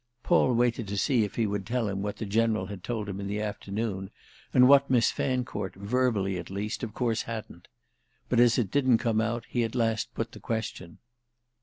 Paul waited to see if he would tell him what the General had told him in the afternoon and what Miss Fancourt, verbally at least, of course hadn't. But as it didn't come out he at last put the question.